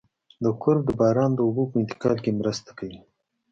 دا کرب د باران د اوبو په انتقال کې مرسته کوي